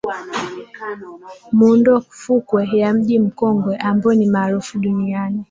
Muundo wa fukwe ya Mji Mkongwe ambayo ni maarufu duniani